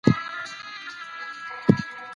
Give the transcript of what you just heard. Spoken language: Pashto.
د ارمنیانو ځینې نجونې تښتول شوې وې.